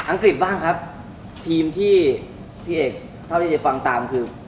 กฤษบ้างครับทีมที่พี่เอกเท่าที่จะฟังตามคือ